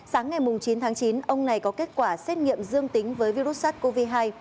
sáng ngày chín tháng chín ông này có kết quả xét nghiệm dương tính với virus sars cov hai